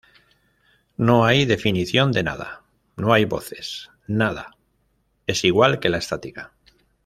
No hay definición de nada, no hay voces, nada, es igual que la estática.